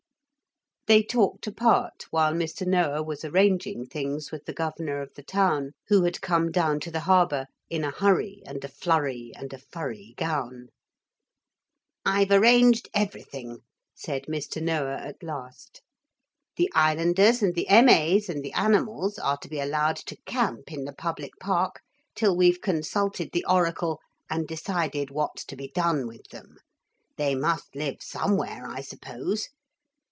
They talked apart while Mr. Noah was arranging things with the Governor of the town, who had come down to the harbour in a hurry and a flurry and a furry gown. 'I've arranged everything,' said Mr. Noah at last. 'The islanders and the M.A.'s and the animals are to be allowed to camp in the public park till we've consulted the oracle and decided what's to be done with them. They must live somewhere, I suppose.